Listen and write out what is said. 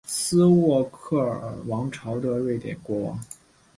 斯渥克尔王朝的瑞典国王。